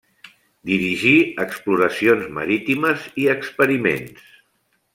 Dirigí exploracions marítimes i experiments.